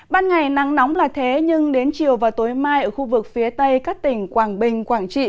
ban ngày nắng nóng là thế nhưng đến chiều và tối mai ở khu vực phía tây các tỉnh quảng bình quảng trị